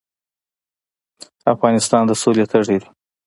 افغانستان د سولې تږی دی